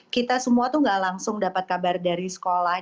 kita semua tuh gak langsung dapat kabar dari sekolah